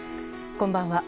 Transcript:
こんばんは。